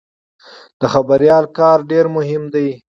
د خبریال کار ډېر مهم دی.